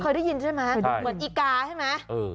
เคยได้ยินใช่ไหมเหมือนอีกาใช่ไหม